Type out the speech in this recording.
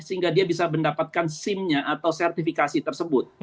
sehingga dia bisa mendapatkan sim nya atau sertifikasi tersebut